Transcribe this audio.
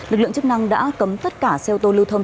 lực lượng chức năng đã cấm tất cả xe ô tô lưu thông